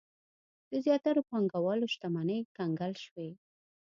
د زیاترو پانګوالو شتمنۍ کنګل شوې.